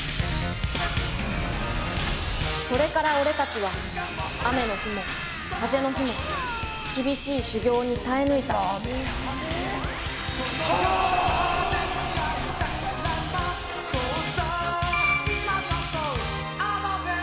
それから俺たちは雨の日も風の日も厳しい修業に耐え抜いた波っ！